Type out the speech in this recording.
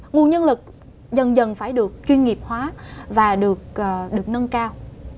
nguồn nhân lực dần dần phải được chuyên nghiệp hóa và được nâng cao